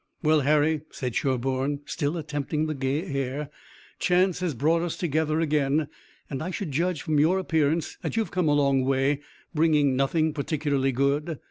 "Well, Harry," said Sherburne, still attempting the gay air, "chance has brought us together again, and I should judge from your appearance that you've come a long way, bringing nothing particularly good."